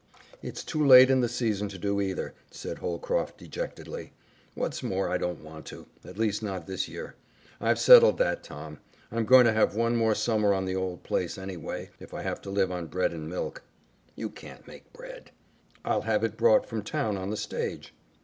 "It's too late in the season to do either," said Holcroft dejectedly. "What's more, I don't want to, at least not this year. I've settled that, Tom. I'm going to have one more summer on the old place, anyway, if I have to live on bread and milk." "You can't make bread." "I'll have it brought from town on the stage."